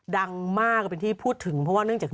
ดังมากเป็นที่พูดถึงเพราะว่าเนื่องจาก